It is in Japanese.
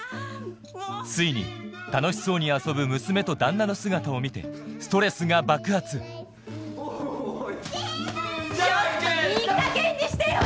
ついに楽しそうに遊ぶ娘と旦那の姿を見てストレスが爆発ちょっといいかげんにしてよ！